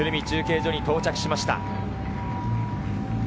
中継所に到着しました。